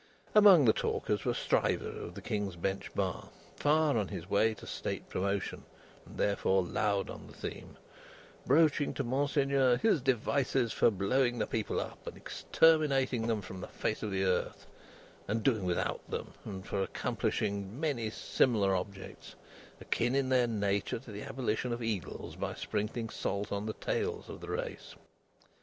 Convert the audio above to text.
Among the talkers, was Stryver, of the King's Bench Bar, far on his way to state promotion, and, therefore, loud on the theme: broaching to Monseigneur, his devices for blowing the people up and exterminating them from the face of the earth, and doing without them: and for accomplishing many similar objects akin in their nature to the abolition of eagles by sprinkling salt on the tails of the race.